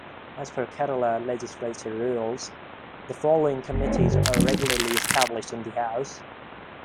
As per Kerala Legislature Rules, the following committees are regularly established in the house.